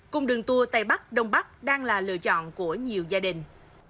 cùng đường tour tây bắc đông bắc đang là lựa chọn của nhiều gia đình